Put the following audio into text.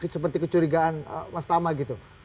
seperti kecurigaan mas tama gitu